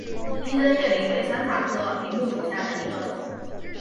披针叶柃为山茶科柃木属下的一个种。